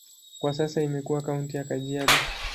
Kwa sasa imekuwa kaunti ya Kajiado.